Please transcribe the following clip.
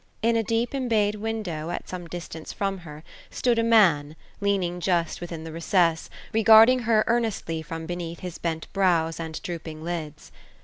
In a deep embayed window, at some distance from her, stood a man, lean ing just within the recess, regarding her earnestly from beneath his bent brows, and drooping lids.